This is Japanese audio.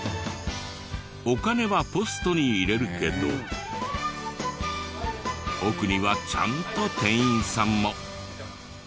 お金はポストに入れるけど奥にはちゃんと店員さんも。